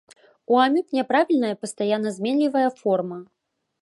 У амёб няправільная, пастаянна зменлівая форма.